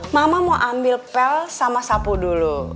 mama mau ambil pel sama sapu dulu